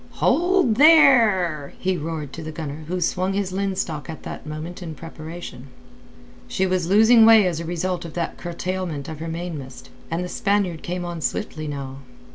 "Hold there!" he roared to the gunner who swung his linstock at that moment in preparation. She was losing way as a result of that curtailment of her mainmast, and the Spaniard came on swiftly now.